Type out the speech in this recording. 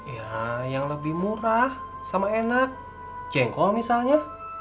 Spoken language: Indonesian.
ya yang lebih murah sama enak jengkol misalnya